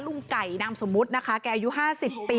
ลูกไก่นามสมุดนะคะแกอยู่๕๐ปี